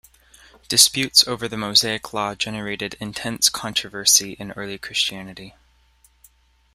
Disputes over the Mosaic law generated intense controversy in early Christianity.